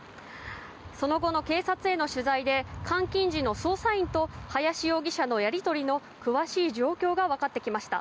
その後の警察への取材で監禁時の捜査員との林容疑者のやり取りの詳しい状況がわかってきました。